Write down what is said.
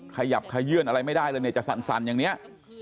ขยับขยื่นอะไรไม่ได้เลยเนี่ยจะสั่นอย่างนี้